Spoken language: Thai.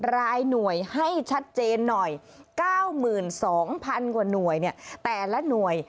รายหน่วยให้ชัดเจนหน่อย๙๒๐๐๐กว่าหน่วย